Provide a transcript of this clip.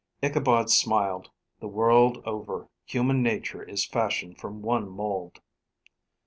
Ichabod smiled. The world over, human nature is fashioned from one mould.